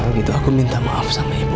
kalau gitu aku minta maaf sama ibu